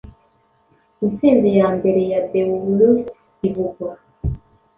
Intsinzi ya mbere ya Beowulf ivugwa